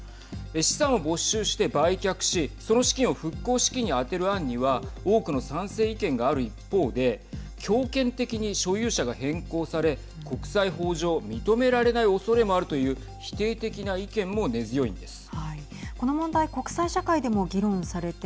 資産を没収して売却しその資金を復興資金に充てる案には多くの賛成意見がある一方で強権的に所有者が変更され国際法上認められないおそれもあるという否定的な意見も根強いんです。